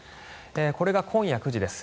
これが今夜９時です。